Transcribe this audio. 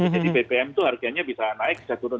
jadi bpm itu harganya bisa naik bisa turun